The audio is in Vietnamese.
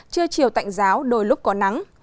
chưa chiều tạnh giáo đôi lúc có nắng